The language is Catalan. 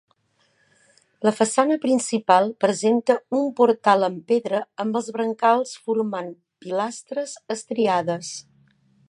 La façana principal presenta un portal amb pedra amb els brancals formant pilastres estriades.